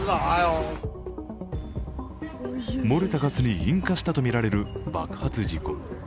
漏れたガスに引火したとみられる爆発事故。